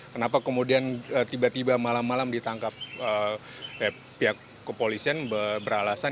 kenapa kemudian tiba tiba malam malam ditangkap pihak kepolisian beralasan